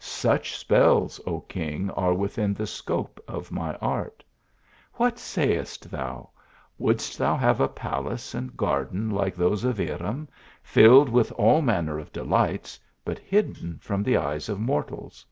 Such spells, O king, are within the scope of my art. What sayest thou ? Wouldst thou have a palace and garden like those of Irem, filled with all manner of delights, but hidden from the eyes of mortals